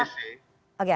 saya tahu ini sih